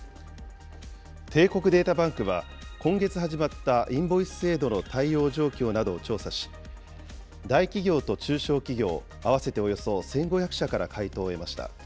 帝国データバンクは、今月始まったインボイス制度の対応状況などを調査し、大企業と中小企業、合わせておよそ１５００社から回答を得ました。